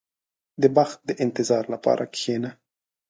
• د بخت د انتظار لپاره کښېنه.